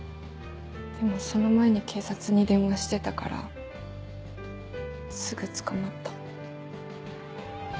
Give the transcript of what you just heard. でもその前に警察に電話してたからすぐ捕まった。